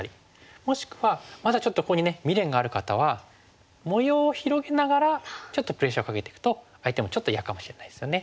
もしくはまだちょっとここに未練がある方は模様を広げながらちょっとプレッシャーをかけていくと相手もちょっと嫌かもしれないですよね。